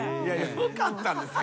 よかったんですか？